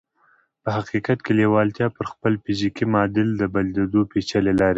په حقیقت کې لېوالتیا پر خپل فزیکي معادل د بدلېدو پېچلې لارې لري